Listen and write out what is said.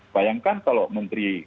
bayangkan kalau menteri